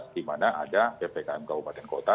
dimana ada ppkm kabupaten kota